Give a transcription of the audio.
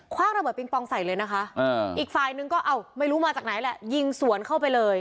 ว่างระเบิงปองใส่เลยนะคะอีกฝ่ายนึงก็ไม่รู้มาจากไหนแหละยิงสวนเข้าไปเลย